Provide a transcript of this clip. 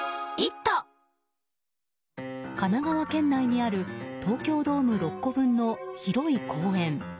神奈川県内にある東京ドーム６個分の広い公園。